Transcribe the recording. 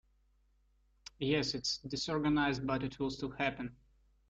Yes, it’s disorganized but it will still happen.